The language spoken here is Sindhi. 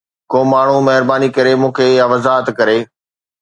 ڪو ماڻهو مهرباني ڪري مون کي اها وضاحت ڪري.